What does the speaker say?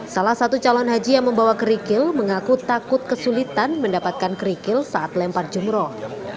salah satu calon haji yang membawa kerikil mengaku takut kesulitan mendapatkan kerikil saat lempar jumroh